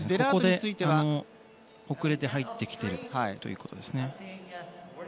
ここで遅れて入ってきているということですね。